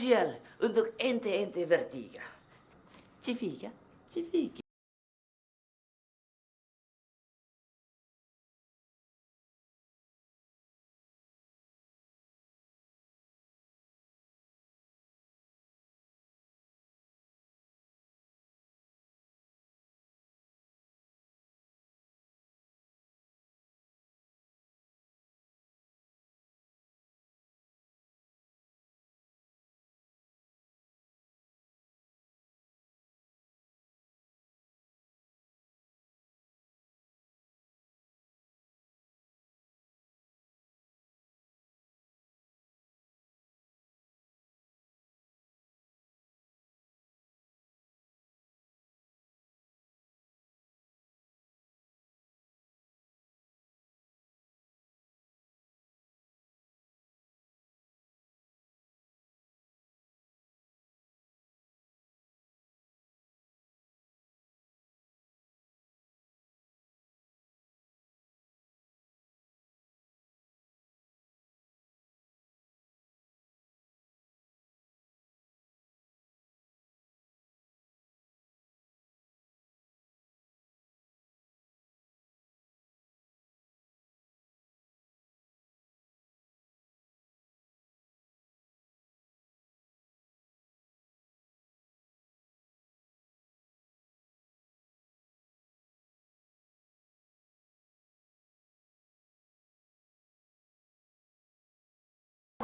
ya mungkin pak ustadz